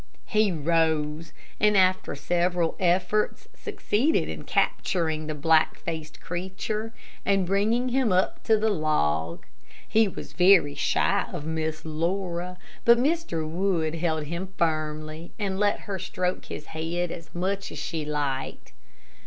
He rose, and after several efforts succeeded in capturing the black faced creature, and bringing him up to the log. He was very shy of Miss Laura, but Mr. Wood held him firmly, and let her stroke his head as much as she liked.